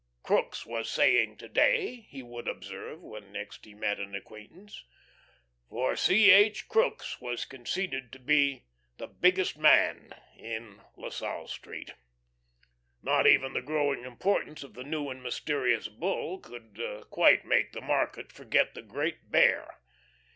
"Crookes was saying to day " he would observe when next he met an acquaintance. For C. H. Crookes was conceded to be the "biggest man" in La Salle Street. Not even the growing importance of the new and mysterious Bull could quite make the market forget the Great Bear.